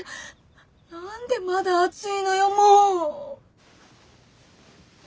何でまだ熱いのよもう！